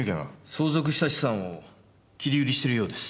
相続した資産を切り売りしてるようです。